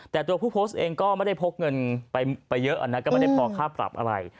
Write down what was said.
แต่ตัวผู้โพสต์เองก็ไม่ได้พกเงินไปเยอะนะก็ไม่ได้พอค่าปรับอะไร